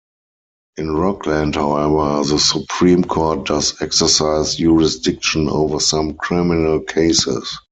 In Rockland however, the Supreme Court does exercise jurisdiction over some criminal cases.